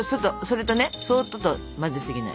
それとねそっとと混ぜすぎない。